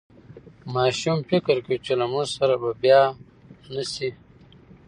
ماشوم فکر کوي چې له مور سره به بیا نه شي.